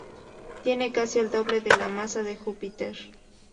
Tiene casi el doble de la masa de Júpiter.